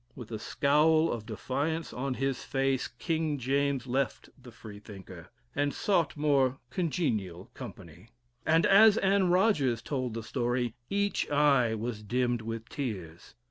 With a scowl of defiance on his face, King James left the Freethinker, and sought more congenial company; and as Anne Rogers told the story, each eye was dimmed with tears.